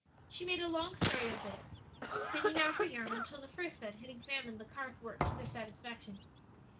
She made a long story of it, spinning out her yarn until the first set had examined the carved work to their satisfaction.